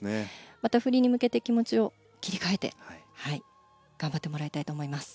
またフリーに向けて気持ちを切り替えて頑張ってもらいたいと思います。